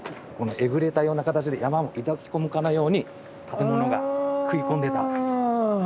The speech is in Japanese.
このえぐれたような形で山を抱き込むかのように建物が食い込んでた。